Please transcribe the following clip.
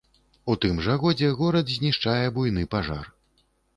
У тым жа годзе горад знішчае буйны пажар.